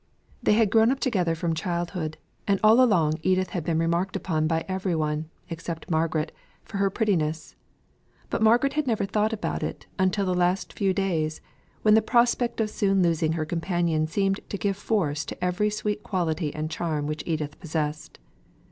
They had grown up together from childhood, and all along Edith had been remarked upon by every one, except Margaret, for her prettiness; but Margaret had never thought about it until the last few days, when the prospect of soon losing her companion seemed to give force to every sweet quality and charm which Edith possessed.